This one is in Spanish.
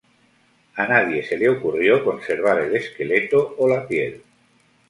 A nadie se le ocurrió conservar el esqueleto o la piel.